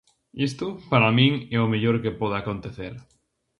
Isto, para min, é o mellor que pode acontecer.